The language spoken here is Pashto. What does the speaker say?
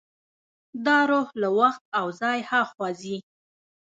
دا روح له وخت او ځای هاخوا ځي.